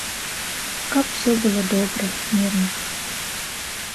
Каб усё было добра, мірна.